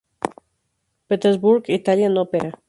Petersburg Italian Opera.